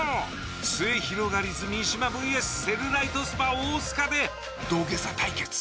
すゑひろがりず三島ｖｓセルライトスパ大須賀で土下座対決。